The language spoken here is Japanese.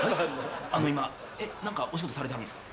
今何かお仕事されてはるんですか？